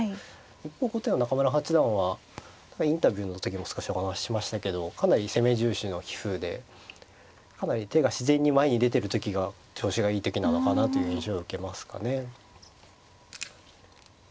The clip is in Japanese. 一方後手の中村八段はインタビューの時も少しお話ししましたけどかなり攻め重視の棋風でかなり手が自然に前に出てる時が調子がいい時なのかなという印象を受けますかね。